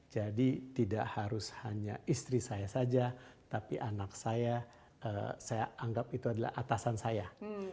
tidak harus hanya istri saya saja tapi anak saya saya anggap itu adalah atasan saya